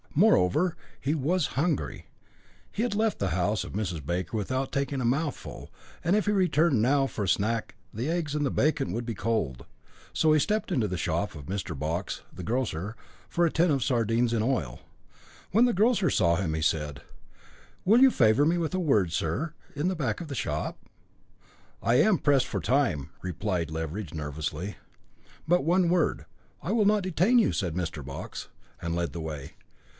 Moreover, he was hungry; he had left the house of Mrs. Baker without taking a mouthful, and if he returned now for a snack the eggs and the bacon would be cold. So he stepped into the shop of Mr. Box, the grocer, for a tin of sardines in oil. When the grocer saw him he said: "Will you favour me with a word, sir, in the back shop?" "I am pressed for time," replied Leveridge nervously. "But one word; I will not detain you," said Mr. Box, and led the way.